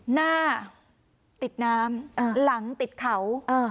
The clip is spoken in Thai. หน้าติดน้ำหลังติดเขา